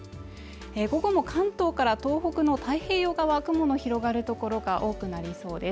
関東から東北の太平洋側は雲の広がるところが多くなりそうです。